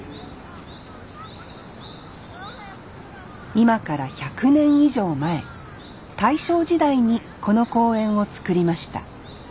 今から１００年以上前大正時代にこの公園を造りました。